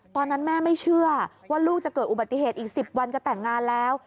ตอนนั้นแม่ไม่เชื่อว่าลูกจะเกิดอุบัติเหตุอีก๑๐วันจะแต่งงานแล้ว